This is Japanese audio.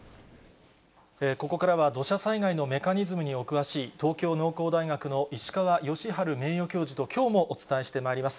ここからは土砂災害のメカニズムにお詳しい、東京農工大学の石川芳治名誉教授ときょうもお伝えしてまいります。